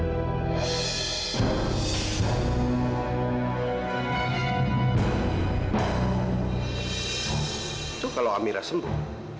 itu kalau amira sembuh